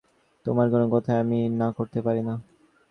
তোমার কোন কথায় আমি না করতে পারিনা।